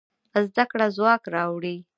زده کړه ځواک راوړي.